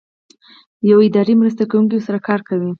یو اداري مرسته کوونکی ورسره کار کوي.